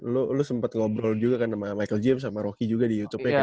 lu lu sempet ngobrol juga kan sama michael james sama rocky juga di youtube nya kan